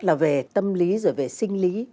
là về tâm lý rồi về sinh lý